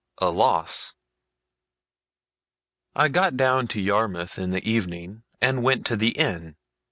A LOSS I got down to Yarmouth in the evening, and went to the inn.